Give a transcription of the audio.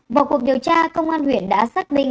vào cuộc điều tra công an huyện đã xác định